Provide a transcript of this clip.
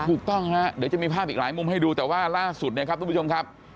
ถูกต้องฮะเดี๋ยวจะมีภาพอีกหลายมุมให้ดูแต่ว่าล่าสุดเนี่ยครับทุกผู้ชมครับ